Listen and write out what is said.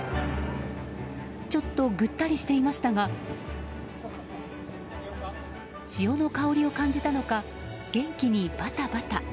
ちょっとぐったりしていましたが潮の香りを感じたのか元気にバタバタ。